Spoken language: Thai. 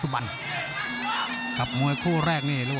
ภูตวรรณสิทธิ์บุญมีน้ำเงิน